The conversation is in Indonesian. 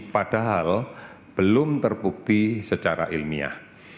padahal belum terbukti secara ilmiah